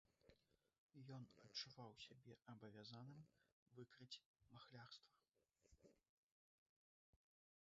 Ён адчуваў сябе абавязаным выкрыць махлярства.